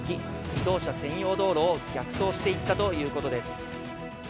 自動車専用道路を逆走していったということです。